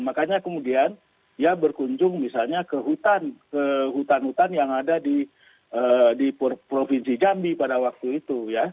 makanya kemudian dia berkunjung misalnya ke hutan hutan yang ada di provinsi jambi pada waktu itu ya